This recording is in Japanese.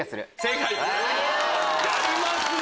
やりますね！